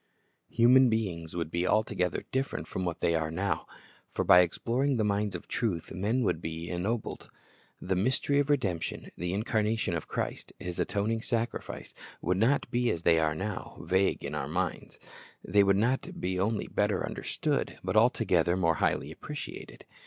Human beings would be altogether different from what they now are; for by exploring the mines of truth men would be ennobled. The mystery of redemption, the incarnation of Christ, His atoning sacrifice, would not be as they are now, vague in our minds. They would be not only better understood, but altogether more highly appreciated.